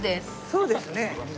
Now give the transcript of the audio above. そうですね。